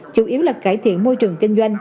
chủ yếu là cải thiện môi trường kinh doanh